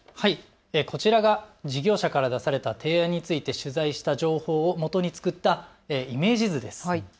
こちらが事業者から出された提案について取材した情報をもとに作ったイメージ図です。